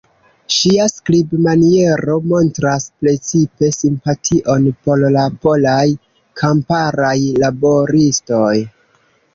Ŝia skribmaniero montras precipe simpation por la polaj kamparaj laboristoj.